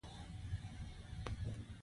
اردن ټوریزم ته ډېره پاملرنه کوي.